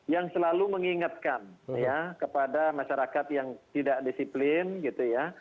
yang selalu mengingatkan ya kepada masyarakat yang tidak disiplin gitu ya